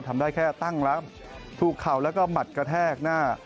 ทำได้แค่ตั้งรับถูกเข่าแล้วก็หมัดกระแทกหน้า